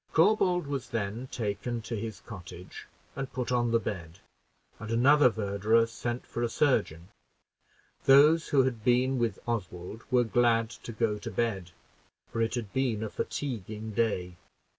Corbould was then taken to his cottage and put on the bed, and another verderer sent for a surgeon; those who had been with Oswald were glad to go to bed, for it had been a fatiguing day.